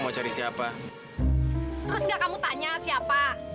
terus gak kamu tanya siapa